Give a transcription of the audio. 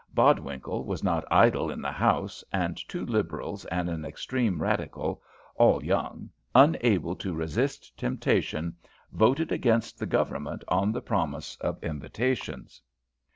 Bodwinkle was not idle in the House, and two Liberals and an extreme Radical, all young, unable to resist temptation, voted against the Government on the promise of invitations.